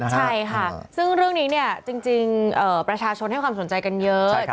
ใช่ค่ะซึ่งเรื่องนี้เนี่ยจริงประชาชนให้ความสนใจกันเยอะ